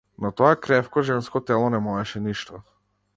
Но тоа кревко женско тело не можеше ништо.